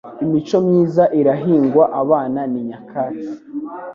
Imico myiza irahingwa abana ni nyakatsi